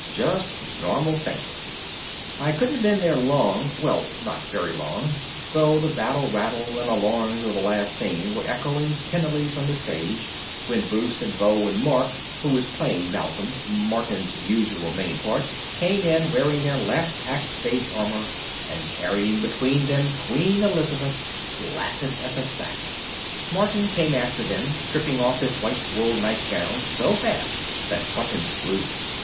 Just normal faint. I couldn't have been there long well, not very long, though the battle rattle and alarums of the last scene were echoing tinnily from the stage when Bruce and Beau and Mark (who was playing Malcolm, Martin's usual main part) came in wearing their last act stage armor and carrying between them Queen Elizabeth flaccid as a sack. Martin came after them, stripping off his white wool nightgown so fast that buttons flew.